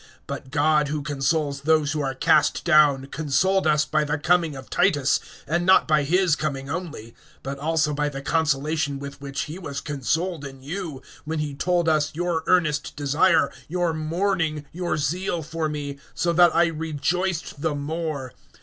(6)But God, who consoles those who are cast down, consoled us by the coming of Titus; (7)and not by his coming only, but also by the consolation with which he was consoled in you, when he told us your earnest desire, your mourning, your zeal for me; so that I rejoiced the more.